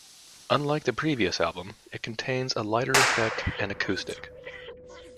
Unlike the previous album, it contains a lighter effect and acoustic.